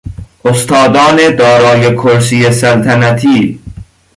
استادان دارای کرسی سلطنتی